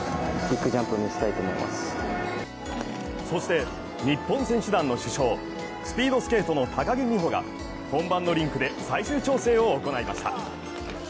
そして日本選手団の主将スピードスケートの高木美帆が本番のリンクで最終調整を行いました。